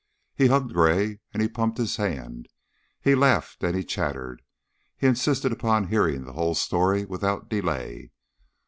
He hugged Gray, and he pumped his hand; he laughed and he chattered; he insisted upon hearing the whole story without delay.